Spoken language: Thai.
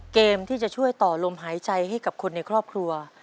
เกมที่จะช่วยต่อลมหายใจให้กับคนในครอบครัว